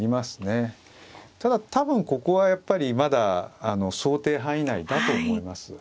ただ多分ここはやっぱりまだ想定範囲内だと思います。